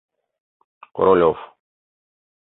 Королёв.